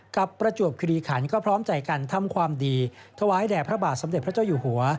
ประจวบคิริขันก็พร้อมใจกันทำความดีถวายแด่พระบาทสมเด็จพระเจ้าอยู่หัว